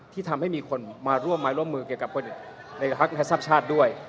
ที่ทำให้มีคนมาร่วมมาร่วมมือกับคนในภาคมันธรรมชาติด้วย